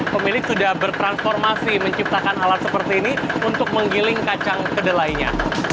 pemilik sudah bertransformasi menciptakan alat seperti ini untuk menggiling kacang kedelainya